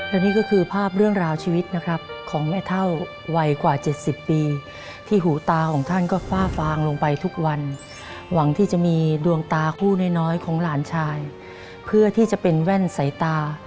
และนี่ก็คือภาพเรื่องราวชีวิตนะครับของแม่เท่าวัยกว่า๗๐ปีที่หูตาของท่านก็ฝ้าฟางลงไปทุกวันหวังที่จะมีดวงตาคู่น้อยของหลานชายเพื่อที่จะเป็นแว่นสายตา